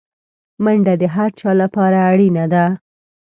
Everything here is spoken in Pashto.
منډه د هر چا لپاره اړینه ده